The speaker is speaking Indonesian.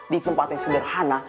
di tempat yang sederhana